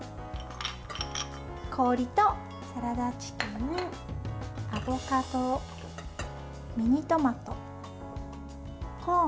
氷とサラダチキンアボカド、ミニトマト、コーン。